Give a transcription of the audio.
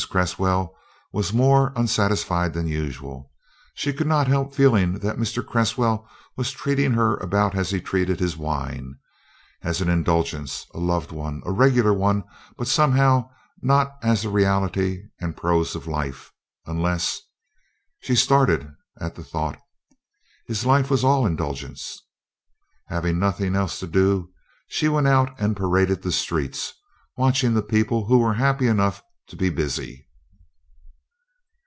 Cresswell was more unsatisfied than usual. She could not help feeling that Mr. Cresswell was treating her about as he treated his wine as an indulgence; a loved one, a regular one, but somehow not as the reality and prose of life, unless she started at the thought his life was all indulgence. Having nothing else to do, she went out and paraded the streets, watching the people who were happy enough to be busy.